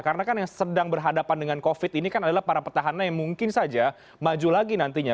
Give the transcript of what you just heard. karena kan yang sedang berhadapan dengan covid ini kan adalah para petahana yang mungkin saja maju lagi nantinya